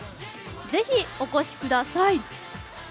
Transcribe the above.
ぜひ、お越しください！